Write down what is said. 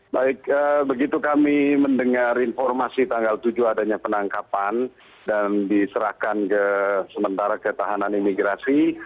baik begitu kami mendengar informasi tanggal tujuh adanya penangkapan dan diserahkan ke sementara ketahanan imigrasi